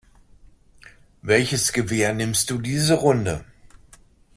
Welches Gewehr nimmst du diese Runde?